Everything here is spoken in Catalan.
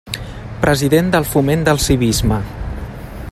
President del Foment del Civisme.